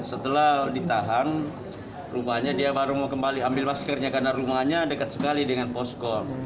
setelah ditahan rumahnya dia baru mau kembali ambil maskernya karena rumahnya dekat sekali dengan posko